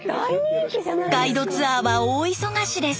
ガイドツアーは大忙しです。